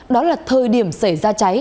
đó là thời điểm xảy ra cháy